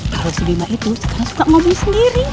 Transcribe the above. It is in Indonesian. kalau si bima itu sekarang suka mobil sendiri